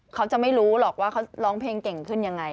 เขาจะไม่รู้หรอกว่าเขาร้องเพลงเก่งขึ้นยังไง